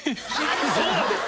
そうなんです！